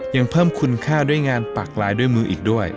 ยังเพิ่มคุณค่าด้วยงานปากลายด้วยมืออีกด้วย